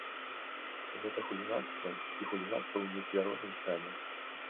Гэта хуліганства і хуліганства ў нецвярозым стане.